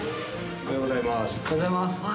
おはようございます。